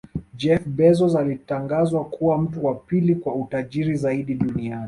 Jeff Bezos alitangazwa kuwa mtu wa pili kwa utajiri zaidi duniani